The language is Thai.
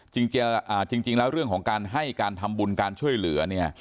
จริงแล้วเรื่องของการให้การทำบุญการช่วยเหลือเนี่ย